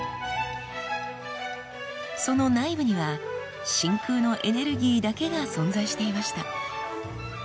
その内部には真空のエネルギーだけが存在していました。